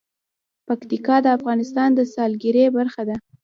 پکتیکا د افغانستان د سیلګرۍ برخه ده.